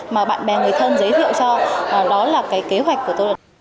mà bạn bè người thân giới thiệu cho đó là cái kế hoạch của tôi